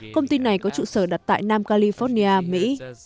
công ty này có trụ sở đặt tại nam california mỹ